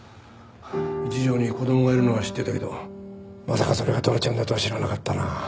一条に子供がいるのは知ってたけどまさかそれがトラちゃんだとは知らなかったな。